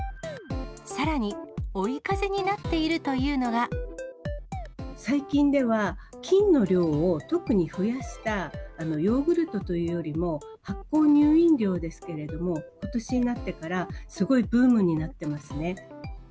さらに、最近では、菌の量を特に増やしたヨーグルトというよりも、発酵乳飲料ですけれども、ことしになってから、すごいブームになってますね。